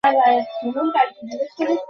আমার জন্য একটা ড্রিংক নাও, আমি এখনি আসছি।